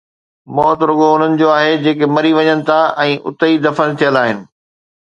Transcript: موت رڳو انهن جو آهي، جيڪي مري وڃن ٿا ۽ اتي ئي دفن ٿيل آهن